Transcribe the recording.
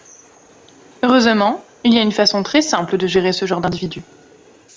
Heureusement, il y a une façon très simple de gérer ce genre d’individus.